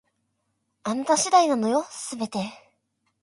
あなた次第なのよ、全て